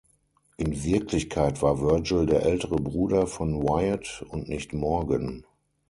In Wirklichkeit war Virgil der ältere Bruder von Wyatt und nicht Morgan.